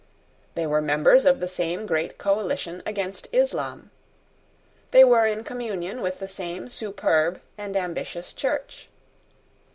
They were members of the same great coalition against Islam. They were in communion with the same superb and ambitious Church.